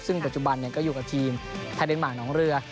ซึ่งปัจจุบันก็อยู่กับทีมไทยเดนมาร์หนองเรือ